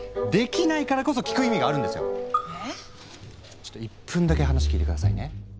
ちょっと１分だけ話聞いて下さいね。